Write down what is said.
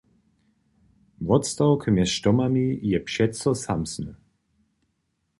Wotstawk mjez štomami je přeco samsny.